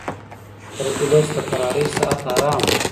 پر اولس د کرارۍ ساعت حرام و